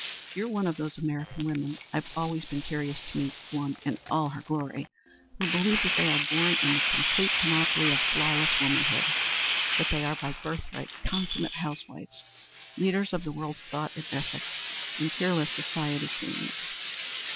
You're one of those American women I've always been curious to meet one in all her glory who believe that they are born in the complete panoply of flawless womanhood; that they are by birthright consummate house wives, leaders of the world's thought and ethics, and peerless society queens.